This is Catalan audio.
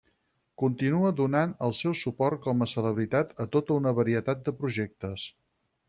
Continua donant el seu suport com a celebritat a tota una varietat de projectes.